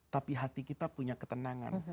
tapi hati kita punya ketenangan